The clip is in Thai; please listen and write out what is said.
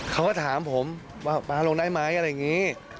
เขาก็ถามผมว่าป๊าลงได้ไหมอะไรอย่างนี้